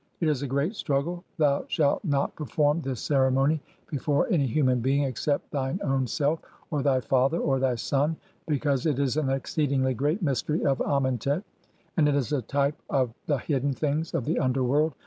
IT IS A GREAT STRUGGLE. THOU SHALT NOT PER FORM THIS CEREMONY BEFORE ANY HUMAN BEING EXCEPT THINE OWN SELF, OR THY FATHER, (3i) OR THY SON, BECAUSE IT IS AN EXCEEDINGLY GREAT MYSTERY OF AMENTET, AND IS A TYPE OF THE HIDDEN THINGS OF THE UNDERWORLD.